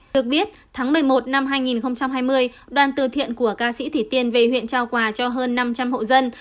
được biết tháng một mươi một năm hai nghìn hai mươi đoàn từ thiện của ca sĩ thủy tiên về huyện trao quà cho hơn năm trăm linh hộ dân